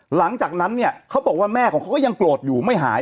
หลังจากนั้นเนี่ยเขาบอกว่าแม่ของเขาก็ยังโกรธอยู่ไม่หาย